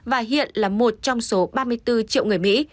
và hiện là một trong số ba mươi bốn triệu người mỹ